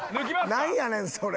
なんやねんそれ。